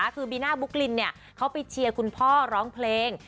คือบีน่าบุ๊กลินเขาไปเชียร์คุณพ่อร้องเพลง